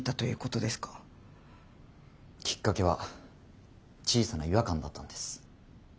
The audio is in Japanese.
きっかけは小さな違和感だったんです。